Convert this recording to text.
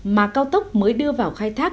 mà cao tốc mới đưa vào khai thác